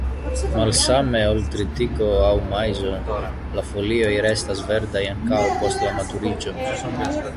Malsame ol tritiko aŭ maizo, la folioj restas verdaj ankaŭ post la maturiĝo.